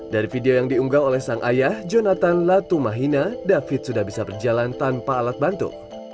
dari video yang diunggah oleh sang ayah jonathan latumahina david sudah bisa berjalan tanpa alat bantu